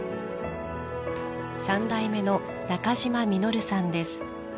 三代目の中島實さんです。